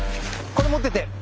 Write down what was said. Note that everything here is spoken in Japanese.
これ持ってて。